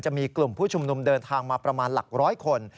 จะมีกลุ่มผู้ชุมนุมเดินทางมาประมาณหลักร้อยคน